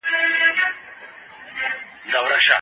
په تيرو پېړيو کي ټولنيزو نظريو وده ونه کړه.